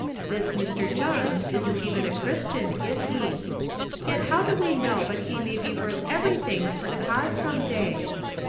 This Mr. John's isn't even a Christian, is he ? Yet how do we know but he may be worth everything to the cause some clay?